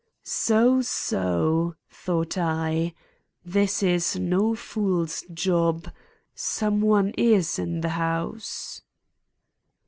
"So! so!" thought I. "This is no fool's job; some one is in the house."